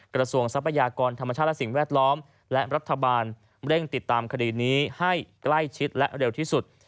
ทรัพยากรธรรมชาติและสิ่งแวดล้อมและรัฐบาลเร่งติดตามคดีนี้ให้ใกล้ชิดและเร็วที่สุด